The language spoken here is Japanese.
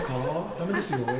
ダメですよ。